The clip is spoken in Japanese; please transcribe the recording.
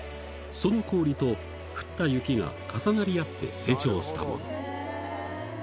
その氷と降った雪が重なり合って成長したもの。